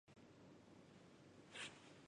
徐揖据城死守。